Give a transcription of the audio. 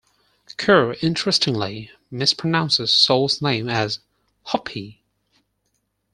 Kerr interestingly mis-pronounces Sol's name as "hope-y".